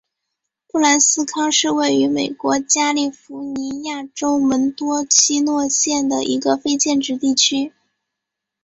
布兰斯康是位于美国加利福尼亚州门多西诺县的一个非建制地区。